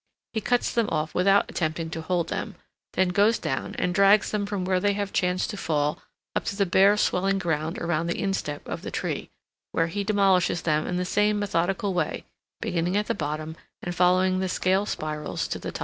He cuts them off without attempting to hold them, then goes down and drags them from where they have chanced to fall up to the bare, swelling ground around the instep of the tree, where he demolishes them in the same methodical way, beginning at the bottom and following the scale spirals to the top.